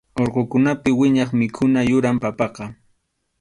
Urqukunapi wiñaq mikhuna yuram papaqa.